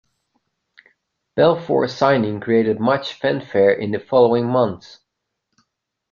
Belfour's signing created much fanfare in the following months.